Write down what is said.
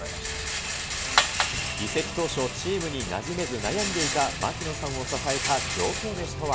移籍当初、チームになじめず悩んでいた槙野さんを支えた上京メシとは。